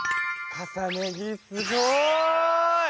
重ね着すごい！